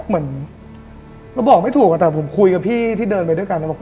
เราบอกไม่ถูกแต่ผมคุยกับพี่ที่เดินไปด้วยกัน